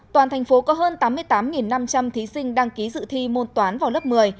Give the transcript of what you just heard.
toàn thành phố có hơn tám mươi tám năm trăm linh thí sinh đăng ký dự thi môn toán vào lớp một mươi